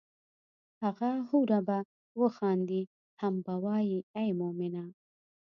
هغه حوره به وخاندي هم به وائي ای مومنه!